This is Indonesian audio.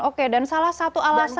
oke dan salah satu alasan